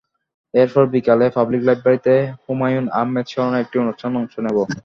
এরপর বিকালে পাবলিক লাইব্রেরিতে হুমায়ূন আহমেদ স্মরণে একটি অনুষ্ঠানে অংশ নেব।